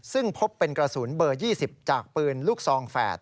ซึ่งพบเป็นกระสุนเบอร์๒๐จากปืนลูกซองแฝด